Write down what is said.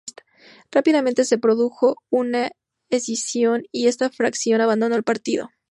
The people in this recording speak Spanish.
Rápidamente se produjo una escisión y esta fracción abandonó el partido.